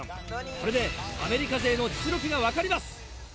これでアメリカ勢の実力が分かります！